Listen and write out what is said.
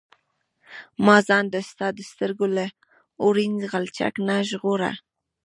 ما ځان د ستا د سترګو له اورین غلچک نه ژغوره.